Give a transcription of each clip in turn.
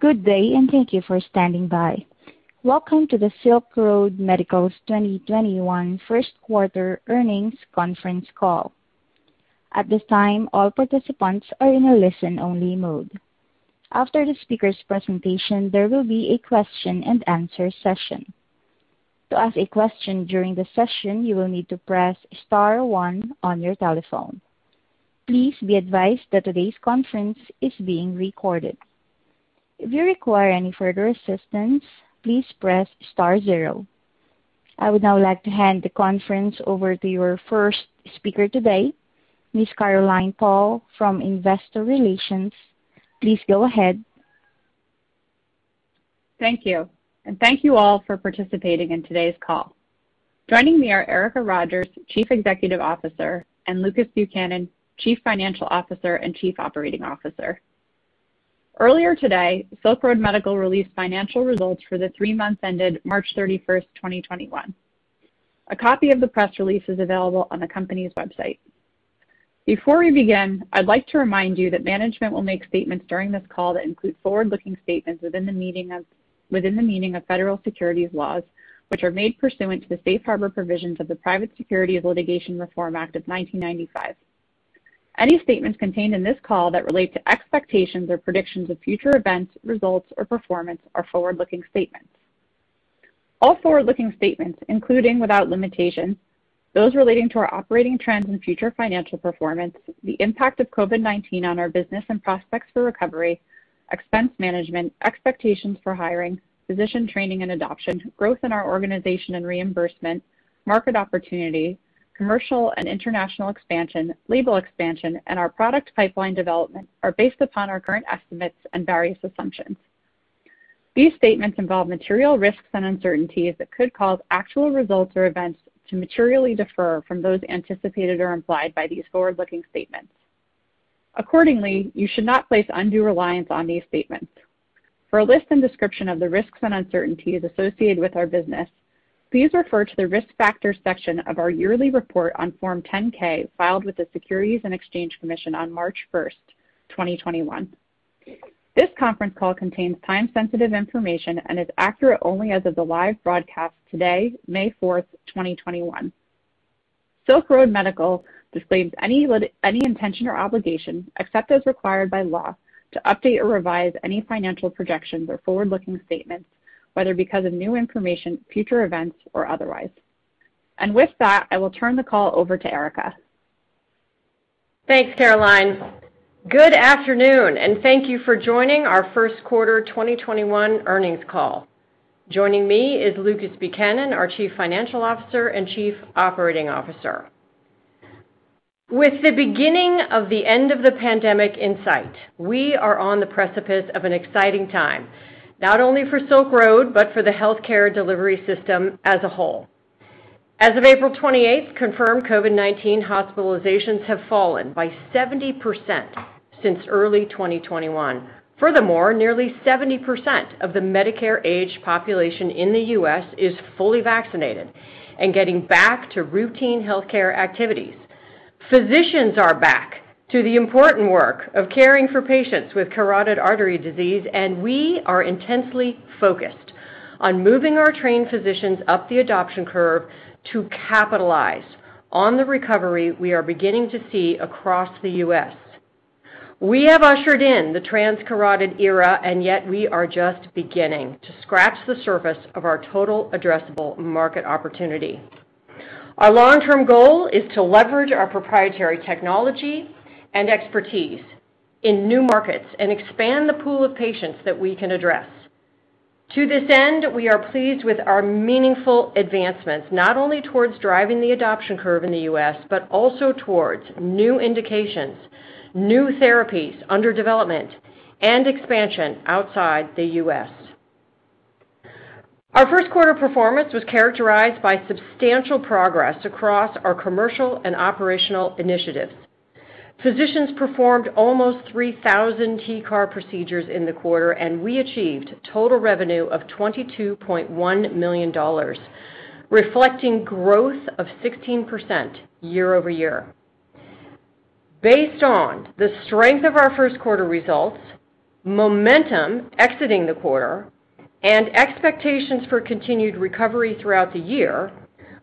Good day, and thank you for standing by. Welcome to the Silk Road Medical's 2021 first quarter earnings conference call. At this time, all participants are in a listen-only mode. After the speaker's presentation, there will be a question-and-answer session. To ask a question during the session, you will need to press star one on your telephone. Please be advised that today's conference is being recorded. If you require any further assistance, please press star zero. I would now like to hand the conference over to your first speaker today, Ms. Caroline Paul from Investor Relations. Please go ahead. Thank you. Thank you all for participating in today's call. Joining me are Erica Rogers, Chief Executive Officer, and Lucas Buchanan, Chief Financial Officer and Chief Operating Officer. Earlier today, Silk Road Medical released financial results for the three months ended March 31st, 2021. A copy of the press release is available on the company's website. Before we begin, I'd like to remind you that management will make statements during this call that include forward-looking statements within the meaning of federal securities laws, which are made pursuant to the safe harbor provisions of the Private Securities Litigation Reform Act of 1995. Any statements contained in this call that relate to expectations or predictions of future events, results, or performance are forward-looking statements. All forward-looking statements, including, without limitation, those relating to our operating trends and future financial performance, the impact of COVID-19 on our business and prospects for recovery, expense management, expectations for hiring, physician training and adoption, growth in our organization and reimbursement, market opportunity, commercial and international expansion, label expansion, and our product pipeline development, are based upon our current estimates and various assumptions. These statements involve material risks and uncertainties that could cause actual results or events to materially differ from those anticipated or implied by these forward-looking statements. Accordingly, you should not place undue reliance on these statements. For a list and description of the risks and uncertainties associated with our business, please refer to the risk factors section of our yearly report on Form 10-K, filed with the Securities and Exchange Commission on March 1st, 2021. This conference call contains time-sensitive information and is accurate only as of the live broadcast today, May 4th, 2021. Silk Road Medical disclaims any intention or obligation, except as required by law, to update or revise any financial projections or forward-looking statements, whether because of new information, future events, or otherwise. With that, I will turn the call over to Erica. Thanks, Caroline. Good afternoon. Thank you for joining our first quarter 2021 earnings call. Joining me is Lucas Buchanan, our Chief Financial Officer and Chief Operating Officer. With the beginning of the end of the pandemic in sight, we are on the precipice of an exciting time, not only for Silk Road, but for the healthcare delivery system as a whole. As of April 28th, confirmed COVID-19 hospitalizations have fallen by 70% since early 2021. Nearly 70% of the Medicare-aged population in the U.S. is fully vaccinated and getting back to routine healthcare activities. Physicians are back to the important work of caring for patients with carotid artery disease. We are intensely focused on moving our trained physicians up the adoption curve to capitalize on the recovery we are beginning to see across the U.S. We have ushered in the Transcarotid era, yet we are just beginning to scratch the surface of our total addressable market opportunity. Our long-term goal is to leverage our proprietary technology and expertise in new markets and expand the pool of patients that we can address. To this end, we are pleased with our meaningful advancements, not only towards driving the adoption curve in the U.S., but also towards new indications, new therapies under development, and expansion outside the U.S. Our first quarter performance was characterized by substantial progress across our commercial and operational initiatives. Physicians performed almost 3,000 TCAR procedures in the quarter, we achieved total revenue of $22.1 million, reflecting growth of 16% year-over-year. Based on the strength of our first quarter results, momentum exiting the quarter, and expectations for continued recovery throughout the year,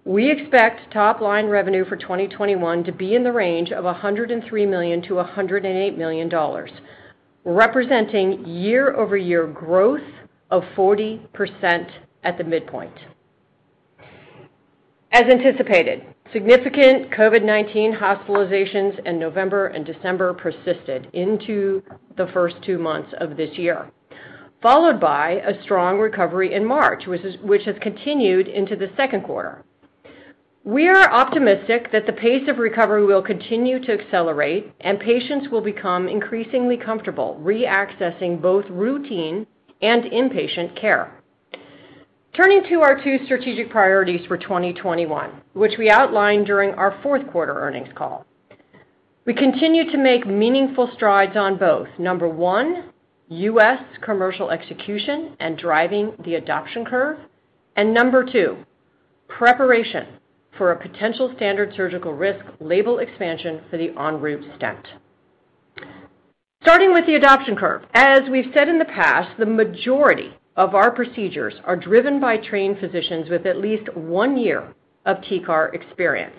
we expect top-line revenue for 2021 to be in the range of $103 million to $108 million, representing year-over-year growth of 40% at the midpoint. As anticipated, significant COVID-19 hospitalizations in November and December persisted into the first two months of this year, followed by a strong recovery in March, which has continued into the second quarter. We are optimistic that the pace of recovery will continue to accelerate, and patients will become increasingly comfortable re-accessing both routine and inpatient care. Turning to our two strategic priorities for 2021, which we outlined during our fourth quarter earnings call. We continue to make meaningful strides on both. Number one, U.S. commercial execution and driving the adoption curve. Number two, preparation for a potential standard surgical risk label expansion for the ENROUTE Stent. Starting with the adoption curve. As we've said in the past, the majority of our procedures are driven by trained physicians with at least one year of TCAR experience.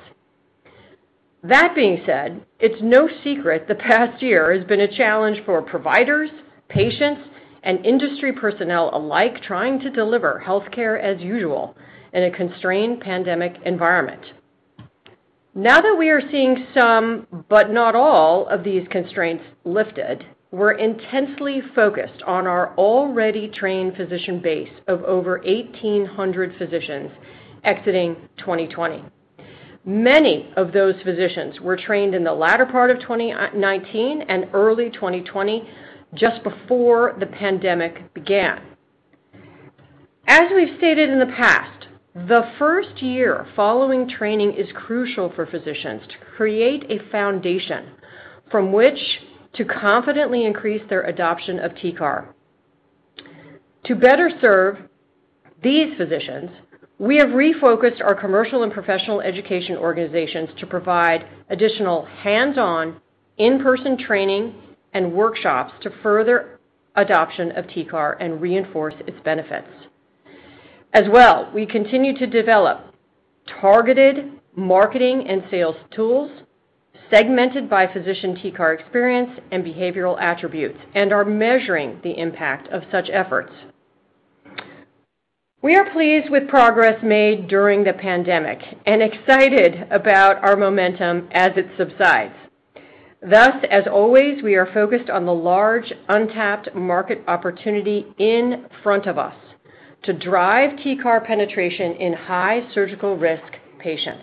That being said, it's no secret the past year has been a challenge for providers, patients, and industry personnel alike trying to deliver healthcare as usual in a constrained pandemic environment. Now that we are seeing some, but not all, of these constraints lifted, we're intensely focused on our already trained physician base of over 1,800 physicians exiting 2020. Many of those physicians were trained in the latter part of 2019 and early 2020, just before the pandemic began. As we've stated in the past, the first year following training is crucial for physicians to create a foundation from which to confidently increase their adoption of TCAR. To better serve these physicians, we have refocused our commercial and professional education organizations to provide additional hands-on, in-person training and workshops to further adoption of TCAR and reinforce its benefits. As well, we continue to develop targeted marketing and sales tools segmented by physician TCAR experience and behavioral attributes and are measuring the impact of such efforts. We are pleased with progress made during the pandemic and excited about our momentum as it subsides. Thus, as always, we are focused on the large untapped market opportunity in front of us to drive TCAR penetration in high surgical risk patients.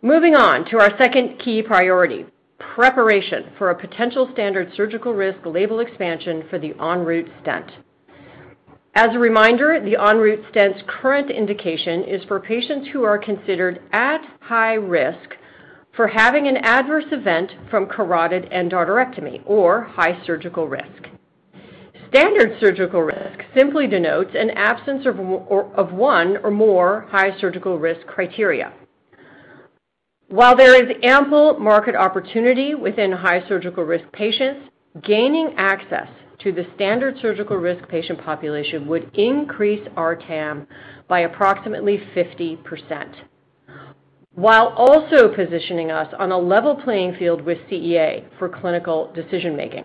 Moving on to our second key priority, preparation for a potential standard surgical risk label expansion for the ENROUTE Stent. As a reminder, the ENROUTE Stent's current indication is for patients who are considered at high risk for having an adverse event from carotid endarterectomy or high surgical risk. Standard surgical risk simply denotes an absence of one or more high surgical risk criteria. While there is ample market opportunity within high surgical risk patients, gaining access to the standard surgical risk patient population would increase our TAM by approximately 50%, while also positioning us on a level playing field with CEA for clinical decision-making.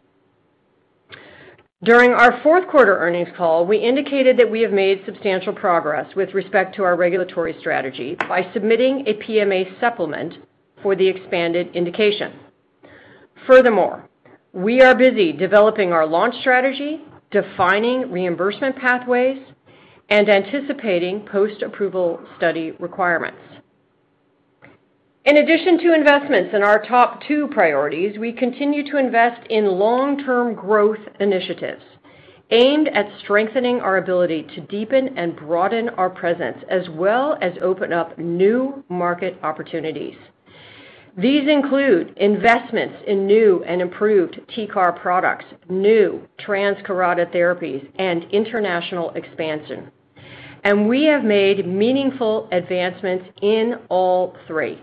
During our fourth quarter earnings call, we indicated that we have made substantial progress with respect to our regulatory strategy by submitting a PMA supplement for the expanded indication. Furthermore, we are busy developing our launch strategy, defining reimbursement pathways, and anticipating post-approval study requirements. In addition to investments in our top two priorities, we continue to invest in long-term growth initiatives aimed at strengthening our ability to deepen and broaden our presence, as well as open up new market opportunities. These include investments in new and improved TCAR products, new Transcarotid therapies, and international expansion. We have made meaningful advancements in all three.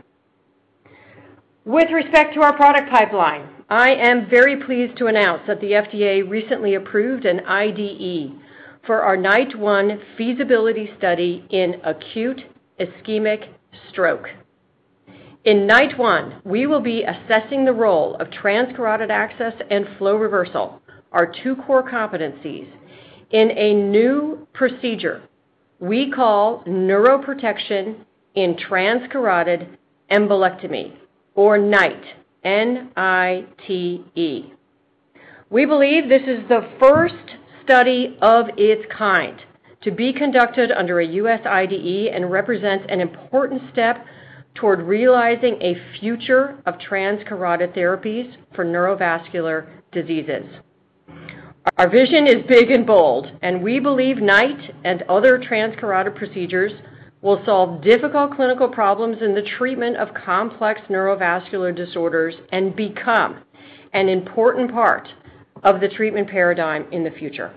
With respect to our product pipeline, I am very pleased to announce that the FDA recently approved an IDE for our NITE 1 feasibility study in acute ischemic stroke. In NITE 1, we will be assessing the role of Transcarotid access and flow reversal, our two core competencies, in a new procedure we call Neuroprotection in Transcarotid Embolectomy, or NITE, N-I-T-E. We believe this is the first study of its kind to be conducted under a U.S. IDE and represents an important step toward realizing a future of Transcarotid therapies for neurovascular diseases. Our vision is big and bold, and we believe NITE and other Transcarotid procedures will solve difficult clinical problems in the treatment of complex neurovascular disorders and become an important part of the treatment paradigm in the future.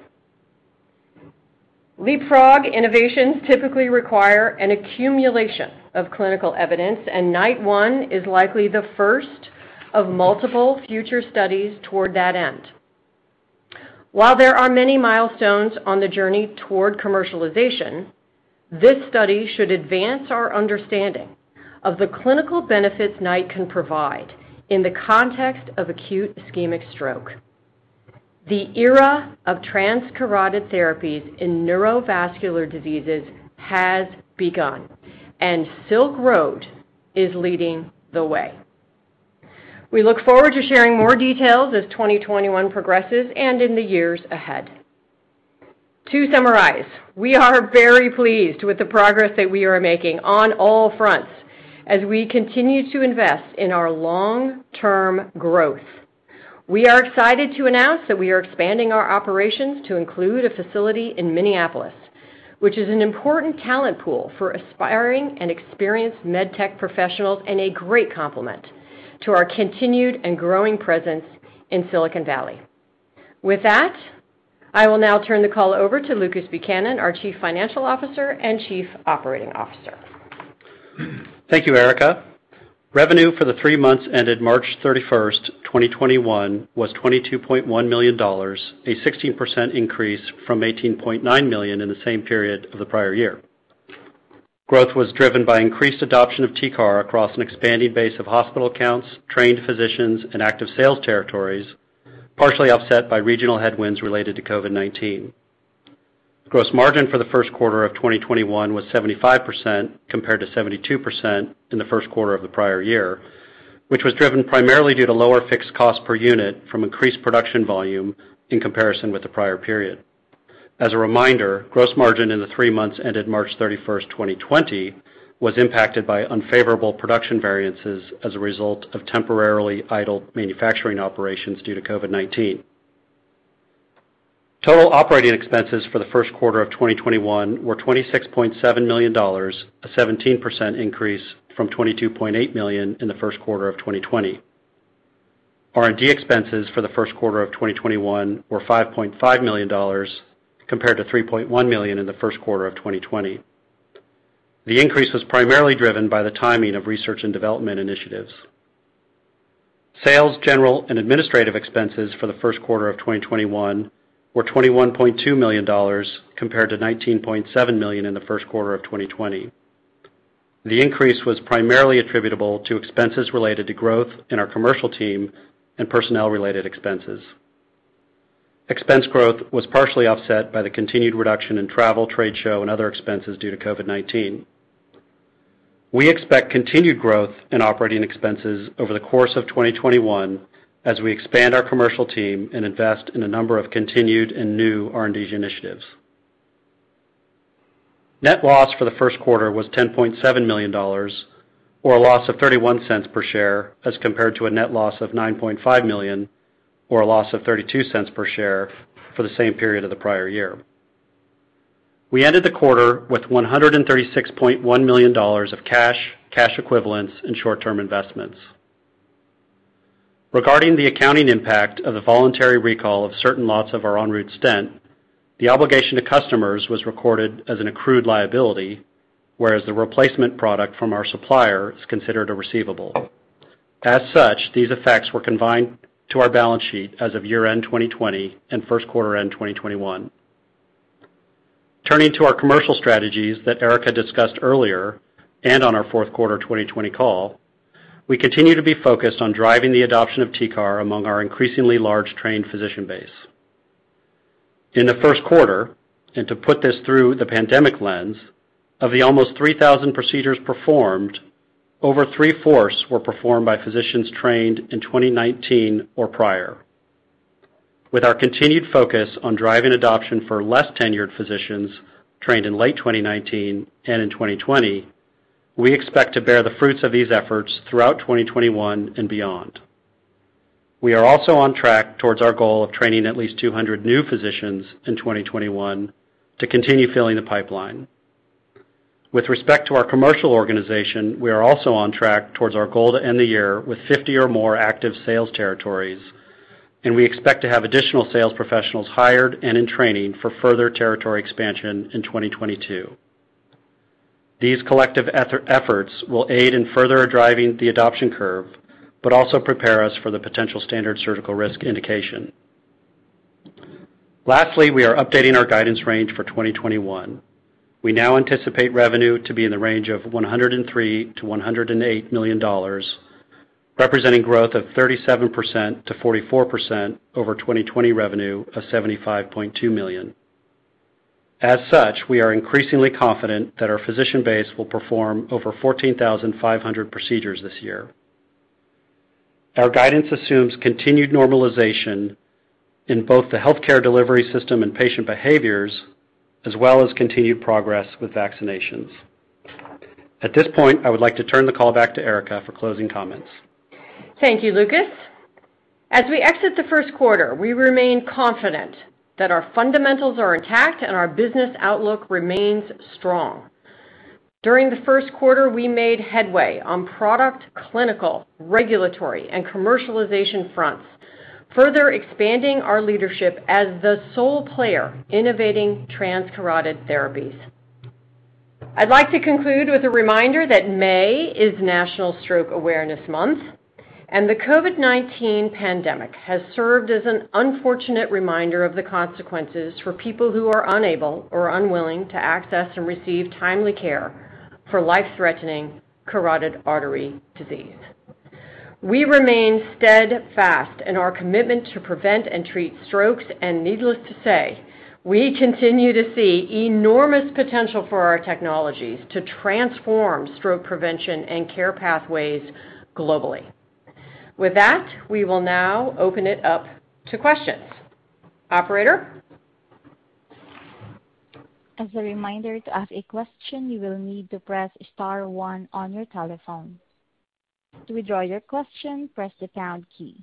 Leapfrog innovations typically require an accumulation of clinical evidence, and NITE 1 is likely the first of multiple future studies toward that end. While there are many milestones on the journey toward commercialization, this study should advance our understanding of the clinical benefits NITE can provide in the context of acute ischemic stroke. The era of Transcarotid therapies in neurovascular diseases has begun, and Silk Road is leading the way. We look forward to sharing more details as 2021 progresses and in the years ahead. To summarize, we are very pleased with the progress that we are making on all fronts as we continue to invest in our long-term growth. We are excited to announce that we are expanding our operations to include a facility in Minneapolis, which is an important talent pool for aspiring and experienced med tech professionals and a great complement to our continued and growing presence in Silicon Valley. With that, I will now turn the call over to Lucas Buchanan, our Chief Financial Officer and Chief Operating Officer. Thank you, Erica. Revenue for the three months ended March 31st, 2021 was $22.1 million, a 16% increase from $18.9 million in the same period of the prior year. Growth was driven by increased adoption of TCAR across an expanding base of hospital accounts, trained physicians, and active sales territories, partially offset by regional headwinds related to COVID-19. Gross margin for the first quarter of 2021 was 75%, compared to 72% in the first quarter of the prior year, which was driven primarily due to lower fixed cost per unit from increased production volume in comparison with the prior period. As a reminder, gross margin in the three months ended March 31st, 2020 was impacted by unfavorable production variances as a result of temporarily idled manufacturing operations due to COVID-19. Total operating expenses for the first quarter of 2021 were $26.7 million, a 17% increase from $22.8 million in the first quarter of 2020. R&D expenses for the first quarter of 2021 were $5.5 million, compared to $3.1 million in the first quarter of 2020. The increase was primarily driven by the timing of research and development initiatives. Sales, general, and administrative expenses for the first quarter of 2021 were $21.2 million, compared to $19.7 million in the first quarter of 2020. The increase was primarily attributable to expenses related to growth in our commercial team and personnel-related expenses. Expense growth was partially offset by the continued reduction in travel, trade show, and other expenses due to COVID-19. We expect continued growth in operating expenses over the course of 2021 as we expand our commercial team and invest in a number of continued and new R&D initiatives. Net loss for the first quarter was $10.7 million, or a loss of $0.31 per share, as compared to a net loss of $9.5 million, or a loss of $0.32 per share for the same period of the prior year. We ended the quarter with $136.1 million of cash equivalents, and short-term investments. Regarding the accounting impact of the voluntary recall of certain lots of our ENROUTE Stent, the obligation to customers was recorded as an accrued liability, whereas the replacement product from our supplier is considered a receivable. As such, these effects were combined to our balance sheet as of year-end 2020 and first quarter end 2021. Turning to our commercial strategies that Erica discussed earlier and on our fourth quarter 2020 call, we continue to be focused on driving the adoption of TCAR among our increasingly large trained physician base. In the first quarter, and to put this through the pandemic lens, of the almost 3,000 procedures performed, over 3/4 were performed by physicians trained in 2019 or prior. With our continued focus on driving adoption for less tenured physicians trained in late 2019 and in 2020, we expect to bear the fruits of these efforts throughout 2021 and beyond. We are also on track towards our goal of training at least 200 new physicians in 2021 to continue filling the pipeline. With respect to our commercial organization, we are also on track towards our goal to end the year with 50 or more active sales territories, and we expect to have additional sales professionals hired and in training for further territory expansion in 2022. These collective efforts will aid in further driving the adoption curve, but also prepare us for the potential standard surgical risk indication. Lastly, we are updating our guidance range for 2021. We now anticipate revenue to be in the range of $103 million-$108 million, representing growth of 37%-44% over 2020 revenue of $75.2 million. As such, we are increasingly confident that our physician base will perform over 14,500 procedures this year. Our guidance assumes continued normalization in both the healthcare delivery system and patient behaviors, as well as continued progress with vaccinations. At this point, I would like to turn the call back to Erica for closing comments. Thank you, Lucas. As we exit the first quarter, we remain confident that our fundamentals are intact and our business outlook remains strong. During the first quarter, we made headway on product, clinical, regulatory, and commercialization fronts, further expanding our leadership as the sole player innovating Transcarotid therapies. I'd like to conclude with a reminder that May is National Stroke Awareness Month, and the COVID-19 pandemic has served as an unfortunate reminder of the consequences for people who are unable or unwilling to access and receive timely care for life-threatening carotid artery disease. We remain steadfast in our commitment to prevent and treat strokes, and needless to say, we continue to see enormous potential for our technologies to transform stroke prevention and care pathways globally. With that, we will now open it up to questions. Operator? As a reminder, to ask a question, you will need to press star one on your telephone. To withdraw your question, press the pound key.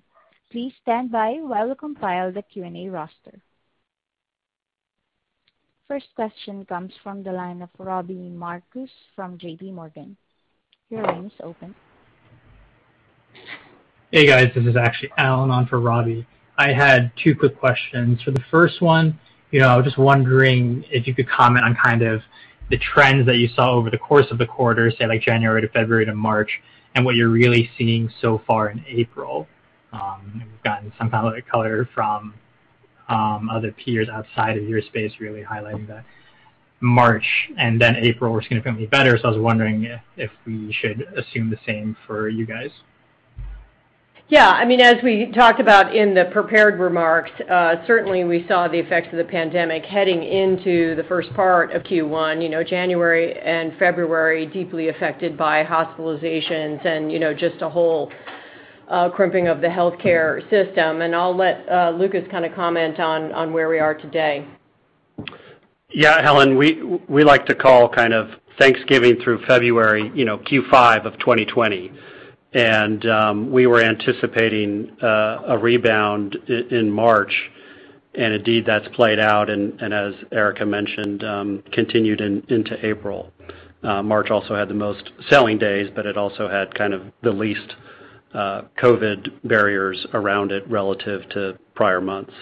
Please stand by while we compile the Q&A roster. First question comes from the line of Robbie Marcus from JPMorgan. Your line is open. Hey, guys. This is actually Alan on for Robbie. I had two quick questions. For the first one, I was just wondering if you could comment on the trends that you saw over the course of the quarter, say, like January to February to March, and what you're really seeing so far in April. We've gotten some color from other peers outside of your space really highlighting that March and then April were significantly better. I was wondering if we should assume the same for you guys. Yeah. As we talked about in the prepared remarks, certainly we saw the effects of the pandemic heading into the first part of Q1. January and February deeply affected by hospitalizations and just a whole crimping of the healthcare system. I'll let Lucas comment on where we are today. Yeah. Alan, we like to call Thanksgiving through February Q5 of 2020. We were anticipating a rebound in March, and indeed, that's played out and as Erica mentioned, continued into April. March also had the most selling days, but it also had the least COVID barriers around it relative to prior months.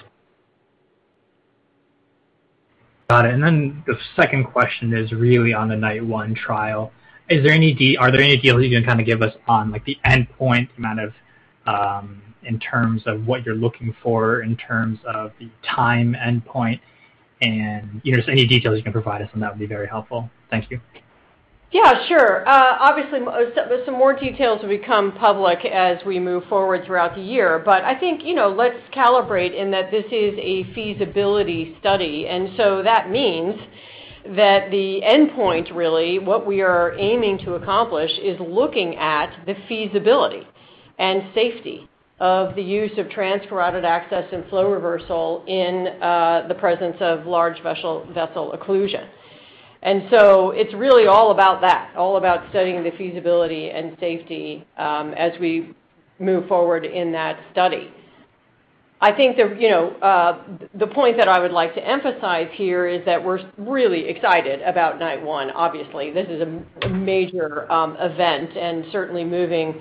Got it. The second question is really on the NITE 1 trial. Are there any details you can give us on the endpoint amount in terms of what you're looking for, in terms of the time endpoint? Any details you can provide us on that would be very helpful. Thank you. Yeah, sure. Obviously, some more details will become public as we move forward throughout the year. I think, let's calibrate in that this is a feasibility study. That means that the endpoint really, what we are aiming to accomplish, is looking at the feasibility and safety of the use of Transcarotid access and flow reversal in the presence of large vessel occlusion. It's really all about that, all about studying the feasibility and safety as we move forward in that study. I think the point that I would like to emphasize here is that we're really excited about NITE 1. Obviously, this is a major event and certainly moving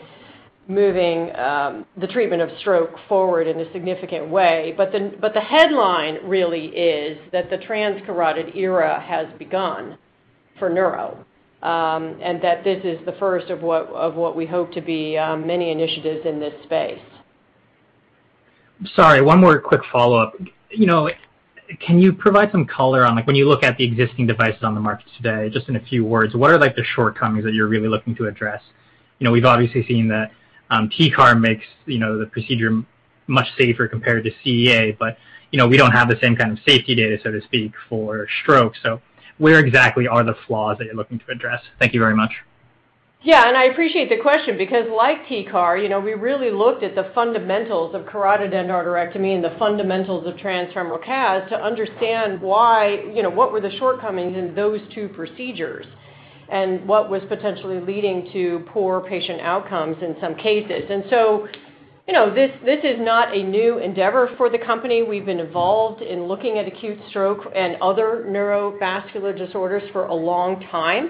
the treatment of stroke forward in a significant way. The headline really is that the Transcarotid era has begun for neuro, and that this is the first of what we hope to be many initiatives in this space. Sorry, one more quick follow-up. Can you provide some color on, when you look at the existing devices on the market today, just in a few words, what are the shortcomings that you're really looking to address? We've obviously seen that TCAR makes the procedure much safer compared to CEA, we don't have the same kind of safety data, so to speak, for stroke. Where exactly are the flaws that you're looking to address? Thank you very much. Yeah, I appreciate the question because like TCAR, we really looked at the fundamentals of carotid endarterectomy and the fundamentals of transfemoral CAS to understand what were the shortcomings in those two procedures and what was potentially leading to poor patient outcomes in some cases. This is not a new endeavor for the company. We've been involved in looking at acute stroke and other neurovascular disorders for a long time.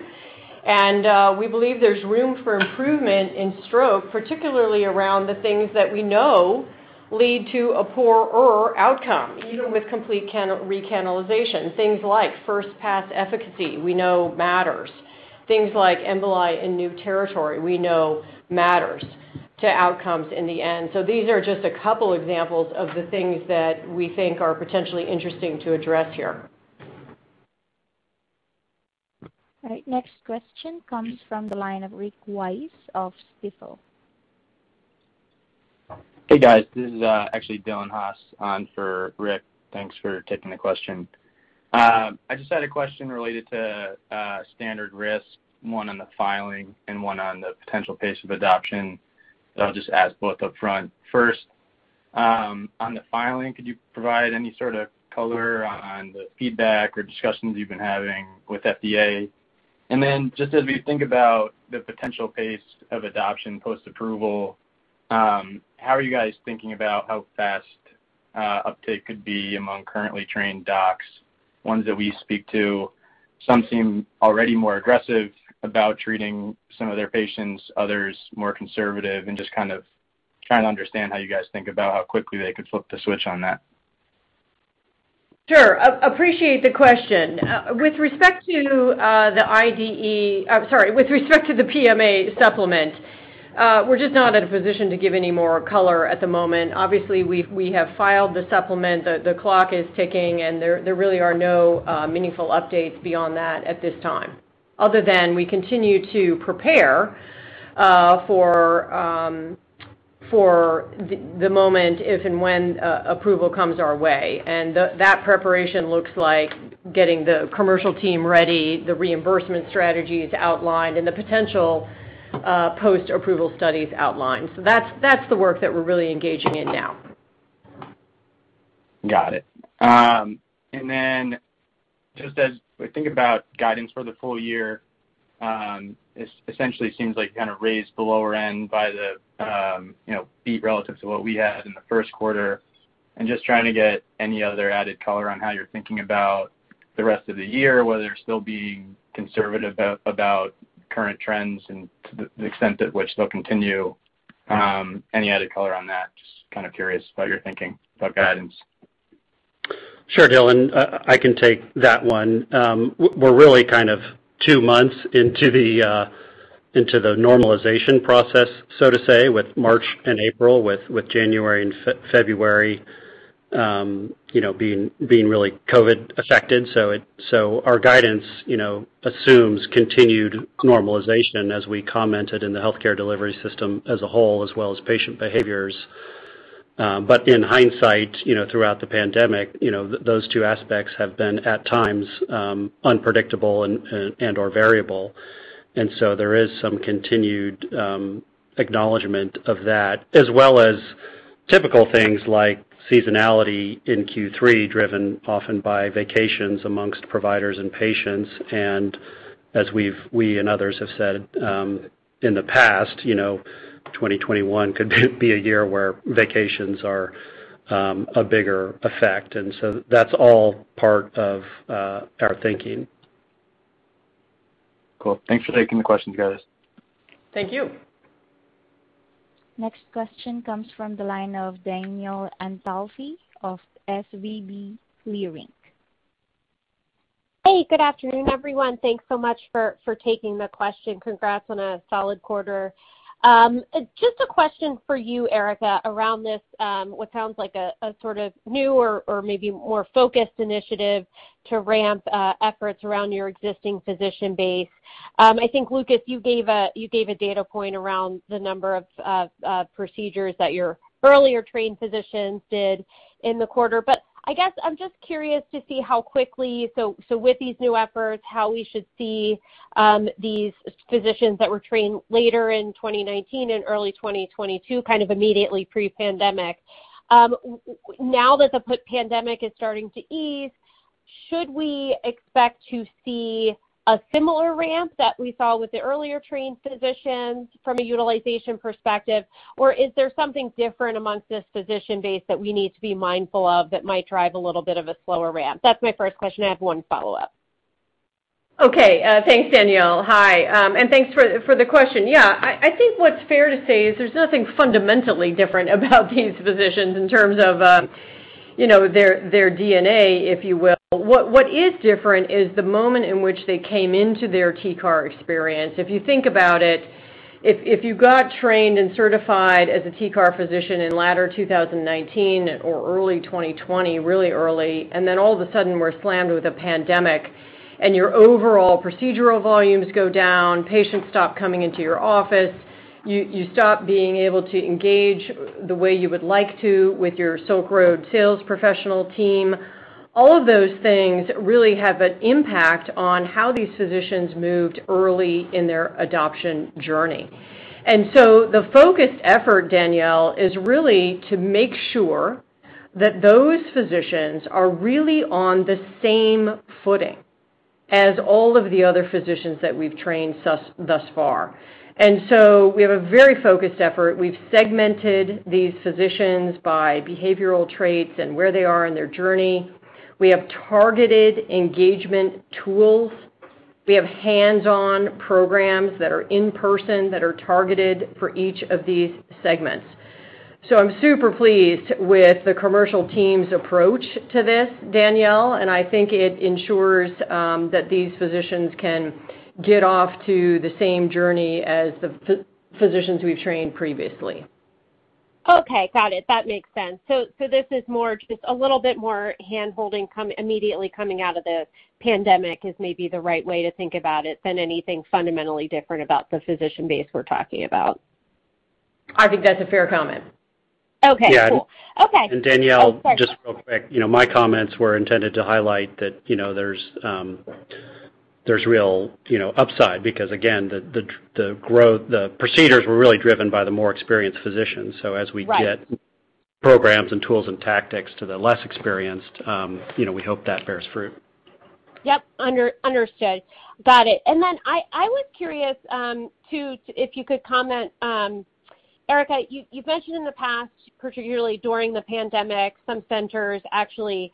We believe there's room for improvement in stroke, particularly around the things that we know lead to a poorer outcome, even with complete recanalization. Things like first-pass efficacy we know matters. Things like emboli in new territory we know matters to outcomes in the end. These are just a couple examples of the things that we think are potentially interesting to address here. All right. Next question comes from the line of Rick Wise of Stifel. Hey, guys. This is actually Dylan Haas on for Rick. Thanks for taking the question. I just had a question related to standard risk, one on the filing and one on the potential pace of adoption. I'll just ask both upfront. First, on the filing, could you provide any sort of color on the feedback or discussions you've been having with FDA? Just as we think about the potential pace of adoption post-approval, how are you guys thinking about how fast uptake could be among currently trained docs? Ones that we speak to, some seem already more aggressive about treating some of their patients, others more conservative, and just kind of trying to understand how you guys think about how quickly they could flip the switch on that. Sure. Appreciate the question. I'm sorry, with respect to the PMA supplement, we're just not in a position to give any more color at the moment. Obviously, we have filed the supplement. The clock is ticking, and there really are no meaningful updates beyond that at this time, other than we continue to prepare for the moment if and when approval comes our way. That preparation looks like getting the commercial team ready, the reimbursement strategies outlined, and the potential post-approval studies outlined. That's the work that we're really engaging in now. Got it. Just as we think about guidance for the full year. This essentially seems like you raised the lower end by the beat relative to what we had in the first quarter. I'm just trying to get any other added color on how you're thinking about the rest of the year, whether you're still being conservative about current trends and to the extent at which they'll continue. Any added color on that? Just curious about your thinking about guidance. Sure, Dylan. I can take that one. We're really two months into the normalization process, so to say, with March and April, with January and February being really COVID-19 affected. Our guidance assumes continued normalization as we commented in the healthcare delivery system as a whole, as well as patient behaviors. In hindsight, throughout the pandemic, those two aspects have been at times unpredictable and/or variable. There is some continued acknowledgement of that. As well as typical things like seasonality in Q3 driven often by vacations amongst providers and patients, and as we and others have said in the past, 2021 could be a year where vacations are a bigger effect. That's all part of our thinking. Cool. Thanks for taking the questions, guys. Thank you. Next question comes from the line of Danielle Antalffy of SVB Leerink. Hey, good afternoon, everyone. Thanks so much for taking the question. Congrats on a solid quarter. A question for you, Erica, around this, what sounds like a sort of new or maybe more focused initiative to ramp efforts around your existing physician base. I think, Lucas, you gave a data point around the number of procedures that your earlier trained physicians did in the quarter. I guess I'm just curious to see how quickly, so with these new efforts, how we should see these physicians that were trained later in 2019 and early 2022, kind of immediately pre-pandemic. Now that the pandemic is starting to ease, should we expect to see a similar ramp that we saw with the earlier trained physicians from a utilization perspective? Is there something different amongst this physician base that we need to be mindful of that might drive a little bit of a slower ramp? That's my first question. I have one follow-up. Okay. Thanks, Danielle. Hi, thanks for the question. I think what's fair to say is there's nothing fundamentally different about these physicians in terms of their DNA, if you will. What is different is the moment in which they came into their TCAR experience. If you think about it, if you got trained and certified as a TCAR physician in latter 2019 or early 2020, really early, then all of a sudden we're slammed with a pandemic, your overall procedural volumes go down, patients stop coming into your office, you stop being able to engage the way you would like to with your Silk Road sales professional team. All of those things really have an impact on how these physicians moved early in their adoption journey. The focused effort, Danielle, is really to make sure that those physicians are really on the same footing as all of the other physicians that we've trained thus far. We have a very focused effort. We've segmented these physicians by behavioral traits and where they are in their journey. We have targeted engagement tools. We have hands-on programs that are in-person, that are targeted for each of these segments. I'm super pleased with the commercial team's approach to this, Danielle, and I think it ensures that these physicians can get off to the same journey as the physicians we've trained previously. Okay, got it. That makes sense. This is just a little bit more hand-holding immediately coming out of the pandemic is maybe the right way to think about it than anything fundamentally different about the physician base we're talking about. I think that's a fair comment. Okay, cool. Yeah. Okay. Danielle. Sorry. Just real quick, my comments were intended to highlight that there's real upside because again, the procedures were really driven by the more experienced physicians. Right. As we get programs and tools and tactics to the less experienced, we hope that bears fruit. Yep. Understood. Got it. I was curious, too, if you could comment, Erica, you've mentioned in the past, particularly during the pandemic, some centers actually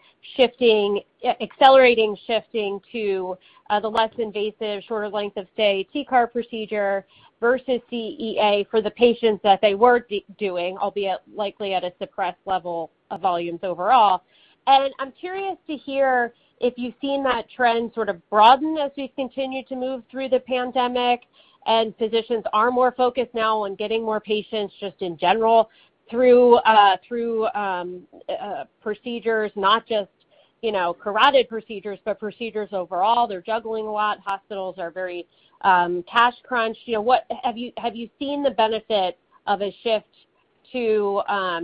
accelerating, shifting to the less invasive, shorter length of stay TCAR procedure versus CEA for the patients that they were doing, albeit likely at a suppressed level of volumes overall. I'm curious to hear if you've seen that trend sort of broaden as we continue to move through the pandemic, and physicians are more focused now on getting more patients just in general through procedures, not just carotid procedures, but procedures overall. They're juggling a lot. Hospitals are very cash crunched. Have you seen the benefit of a shift to a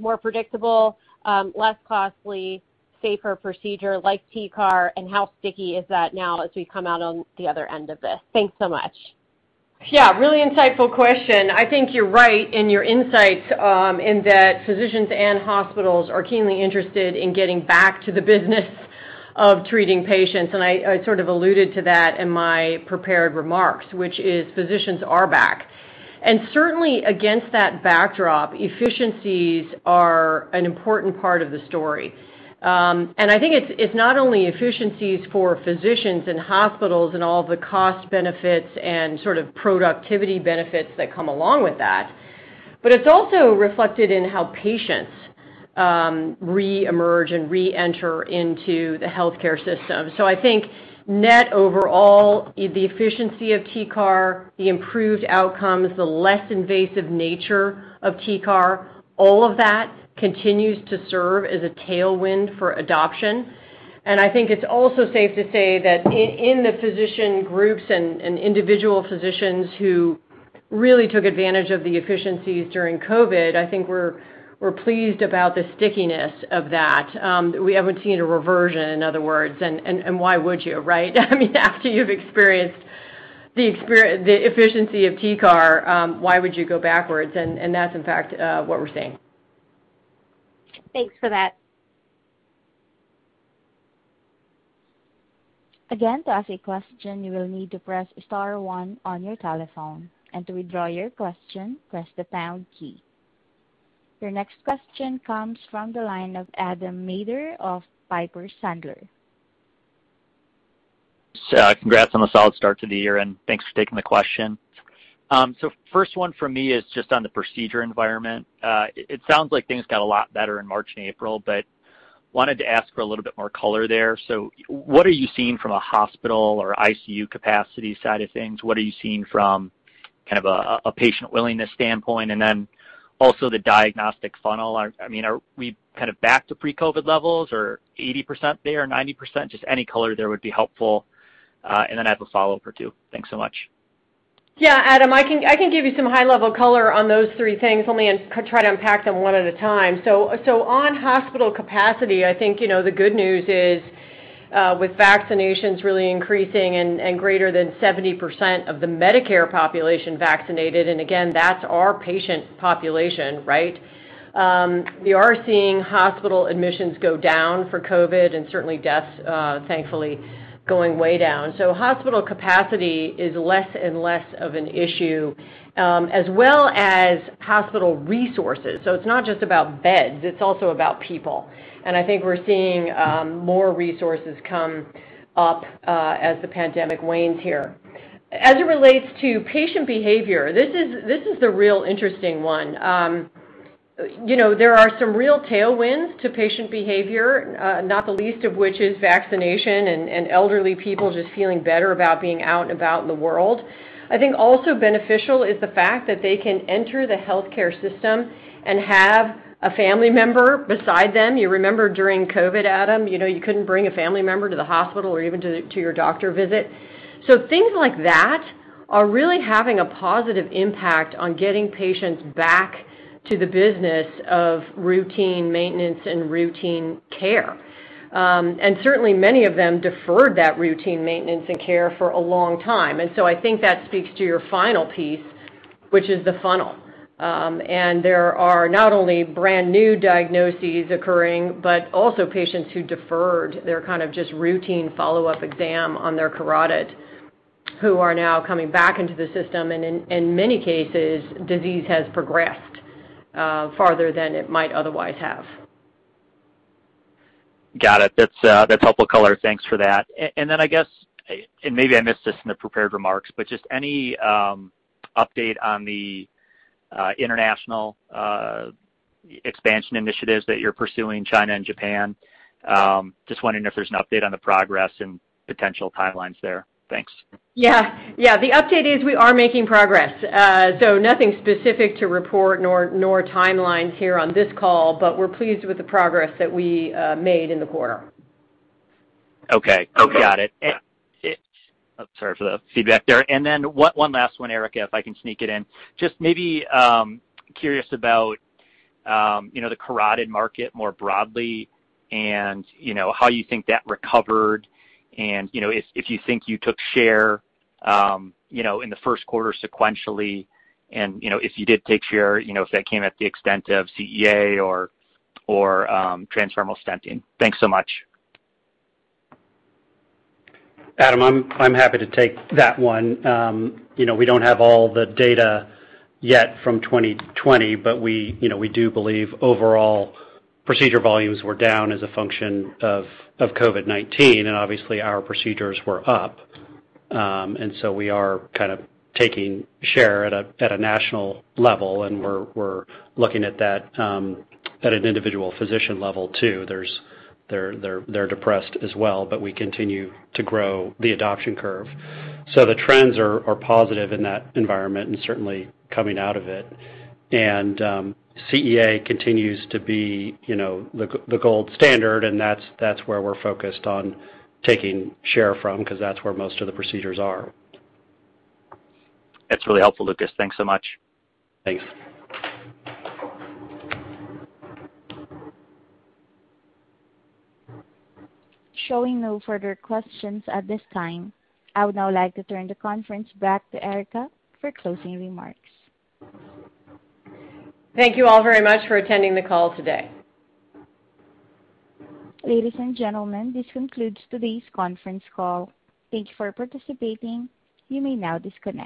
more predictable, less costly, safer procedure like TCAR, and how sticky is that now as we come out on the other end of this? Thanks so much. Yeah, really insightful question. I think you're right in your insights, in that physicians and hospitals are keenly interested in getting back to the business of treating patients. I sort of alluded to that in my prepared remarks, which is, physicians are back. Certainly against that backdrop, efficiencies are an important part of the story. I think it's not only efficiencies for physicians and hospitals and all the cost benefits and sort of productivity benefits that come along with that, but it's also reflected in how patients reemerge and reenter into the healthcare system. I think net overall, the efficiency of TCAR, the improved outcomes, the less invasive nature of TCAR, all of that continues to serve as a tailwind for adoption. I think it's also safe to say that in the physician groups and individual physicians who really took advantage of the efficiencies during COVID, I think we're pleased about the stickiness of that. We haven't seen a reversion, in other words. Why would you, right? I mean, after you've experienced the efficiency of TCAR, why would you go backwards? That's in fact what we're seeing. Thanks for that. Again, to ask a question, you will need to press star one on your telephone, and to withdraw your question, press the pound key. Your next question comes from the line of Adam Maeder of Piper Sandler. Congrats on the solid start to the year, and thanks for taking the question. First one for me is just on the procedure environment. It sounds like things got a lot better in March and April, but wanted to ask for a little bit more color there. What are you seeing from a hospital or ICU capacity side of things? What are you seeing from kind of a patient willingness standpoint, and then also the diagnostic funnel? Are we kind of back to pre-COVID levels, or 80% there, 90%? Just any color there would be helpful. I have a follow-up for you too. Thanks so much. Yeah, Adam, I can give you some high-level color on those three things. Let me try to unpack them one at a time. On hospital capacity, I think the good news is, with vaccinations really increasing and greater than 70% of the Medicare population vaccinated, and again, that's our patient population, right? We are seeing hospital admissions go down for COVID and certainly deaths, thankfully, going way down. Hospital capacity is less and less of an issue, as well as hospital resources. It's not just about beds, it's also about people. I think we're seeing more resources come up as the pandemic wanes here. As it relates to patient behavior, this is the real interesting one. There are some real tailwinds to patient behavior, not the least of which is vaccination and elderly people just feeling better about being out and about in the world. I think also beneficial is the fact that they can enter the healthcare system and have a family member beside them. You remember during COVID, Adam, you couldn't bring a family member to the hospital or even to your doctor visit. Things like that are really having a positive impact on getting patients back to the business of routine maintenance and routine care. Certainly many of them deferred that routine maintenance and care for a long time. I think that speaks to your final piece, which is the funnel. There are not only brand-new diagnoses occurring, but also patients who deferred their kind of just routine follow-up exam on their carotid who are now coming back into the system. In many cases, disease has progressed farther than it might otherwise have. Got it. That's helpful color. Thanks for that. I guess, maybe I missed this in the prepared remarks, just any update on the international expansion initiatives that you're pursuing in China and Japan? Just wondering if there's an update on the progress and potential timelines there. Thanks. Yeah. The update is we are making progress. Nothing specific to report nor timelines here on this call, but we're pleased with the progress that we made in the quarter. Okay. Got it. Sorry for the feedback there. One last one, Erica, if I can sneak it in. Just maybe curious about the carotid market more broadly and how you think that recovered and if you think you took share in the first quarter sequentially, and if you did take share, if that came at the extent of CEA or transfemoral stenting. Thanks so much. Adam, I'm happy to take that one. We don't have all the data yet from 2020, but we do believe overall procedure volumes were down as a function of COVID-19, and obviously, our procedures were up. We are kind of taking share at a national level, and we're looking at that at an individual physician level too. They're depressed as well, but we continue to grow the adoption curve. The trends are positive in that environment and certainly coming out of it. CEA continues to be the gold standard, and that's where we're focused on taking share from because that's where most of the procedures are. That's really helpful, Lucas. Thanks so much. Thanks. Showing no further questions at this time. I would now like to turn the conference back to Erica for closing remarks. Thank you all very much for attending the call today. Ladies and gentlemen, this concludes today's conference call. Thank you for participating. You may now disconnect.